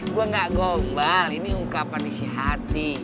gue gak gombal ini ungkapan isi hati